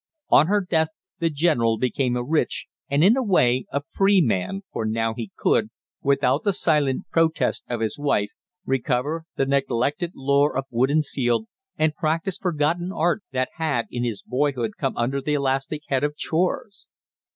On her death the general became a rich and, in a way, a free man, for now he could, without the silent protest of his wife, recover the neglected lore of wood and field, and practise forgotten arts that had in his boyhood come under the elastic head of chores.